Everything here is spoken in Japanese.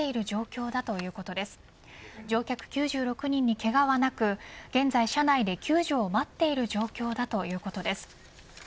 乗客９６人にけがはなく現在車内で救助を待っている状況だということです。